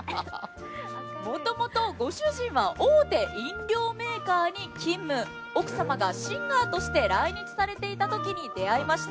もともとご主人は大手飲料メーカーに勤務、奥様がシンガーとして来日されていたときに出会いました。